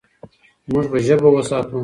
موږ به ژبه وساتو.